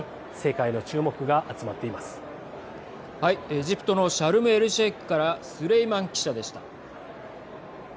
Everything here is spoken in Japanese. エジプトのシャルムエルシェイクからスレイマン記者でした。